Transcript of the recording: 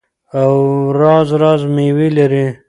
او راز راز میوې لري.